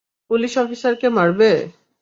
Police অফিসারকে মারবে?